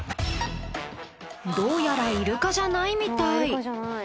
どうやらイルカじゃないみたい。